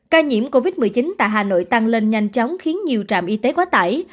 ca nhiễm covid một mươi chín tại hà nội tăng lên nhanh chóng khiến nhiều trạm y tế quá tải